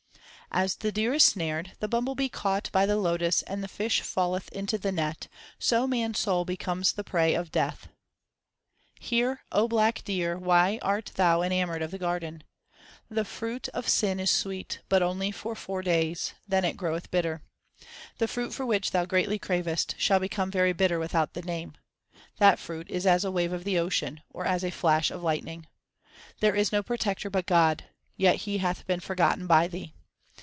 1 As the deer is snared, the bumble bee caught by the lotus, and the fish falleth into the net, so man s soul becomes the prey of Death. Hear, O black deer, 2 why art thou enamoured of the garden ? 3 The fruit of sin is sweet, but only for four days ; it then groweth bitter. 1 Also translated I conceal not the fact. 2 Man. 3 The world. SIKH. I Y 322 THE SIKH RELIGION The fruit for which thou greatly cravest, shall become very bitter without the Name. That fruit is as a wave of the ocean, or as a flash of lightning. 1 There is no protector but God ; yet He hath been for gotten by thee.